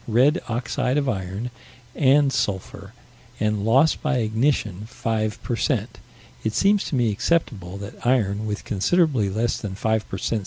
red oxide of iron, and sulphur and loss by ignition 5 per cent. It seems to me acceptable that iron with considerably less than 5 per cent.